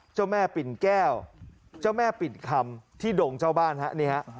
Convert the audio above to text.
เจ้าแม่ปิ่นแก้วเจ้าแม่ปิ่นคำที่ดงเจ้าบ้านฮะนี่ฮะ